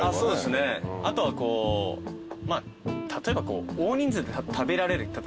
例えば大人数で食べられる。